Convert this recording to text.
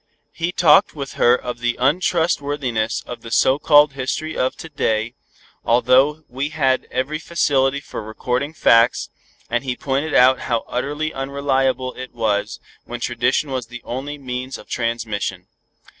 He talked with her of the untrustworthiness of the so called history of to day, although we had every facility for recording facts, and he pointed out how utterly unreliable it was when tradition was the only means of transmission.